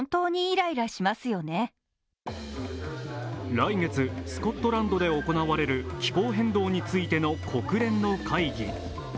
来月スコットランドで行われる気候変動についての国連の会議。